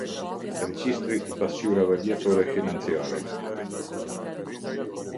Regjistri i Pasqyrave Vjetore Financiare.